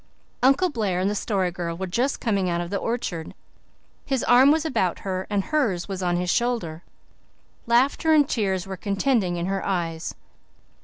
Uncle Blair and the Story Girl were just coming out of the orchard. His arm was about her and hers was on his shoulder. Laughter and tears were contending in her eyes.